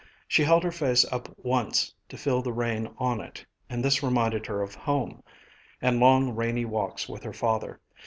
She held her face up once, to feel the rain fall on it, and this reminded her of home, and long rainy walks with her father.